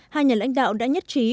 hai nhà lãnh đạo đã nhất trí